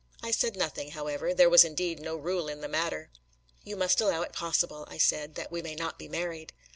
I said nothing, however: there was indeed no rule in the matter! "You must allow it possible," I said, "that we may not be married!"